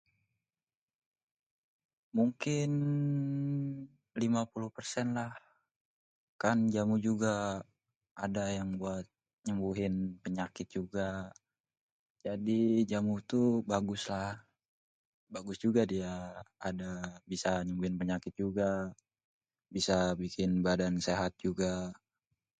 Mungkin 50% lah, kan jamu juga ada yang buat nyembuhin penyakit juga. Jadi jamu itu baguslah, bagus juga dia bisa nyembuhin penyakit juga, bisa bikin badan sehat juga.